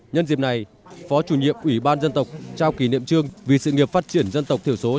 nhân dịp này phó chủ nhiệm ủy ban dân tộc trao kỷ niệm trương vì sự nghiệp phát triển dân tộc thiểu số